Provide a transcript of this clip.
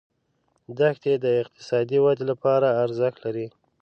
دښتې د اقتصادي ودې لپاره ارزښت لري.